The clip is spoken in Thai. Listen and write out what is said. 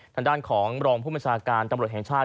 ทางด้านของรองผู้บัญชาการตำรวจแห่งชาติ